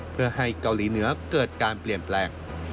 เพื่อให้เกาหลีเหนือเกิดการเปลี่ยนแปลง